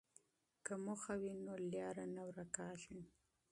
که موخه وي نو لاره نه ورکېږي.